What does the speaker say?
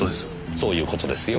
そういう事ですよ。